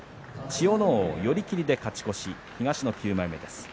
千代ノ皇寄り切りで勝ち越し東の９枚目です。